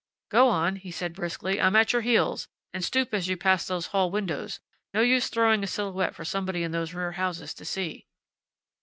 "Go on!" he said, briskly. "I'm at your heels. And stoop as you pass those hall windows. No use throwing a silhouette for somebody in those rear houses to see....